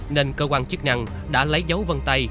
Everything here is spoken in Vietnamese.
nên cơ quan chức năng đã lấy dấu vân tay